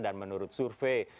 dan menurut survei